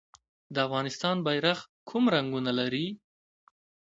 د افغانستان بیرغ کوم رنګونه لري؟